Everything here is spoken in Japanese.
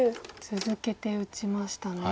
続けて打ちましたね。